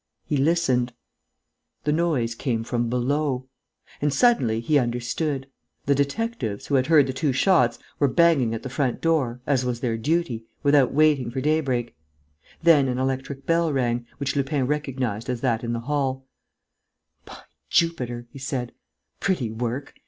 He listened. The noise came from below. And, suddenly, he understood: the detectives, who had heard the two shots, were banging at the front door, as was their duty, without waiting for daybreak. Then an electric bell rang, which Lupin recognized as that in the hall: "By Jupiter!" he said. "Pretty work!